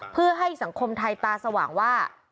เพื่อให้สังคมไทยตาสว่างว่า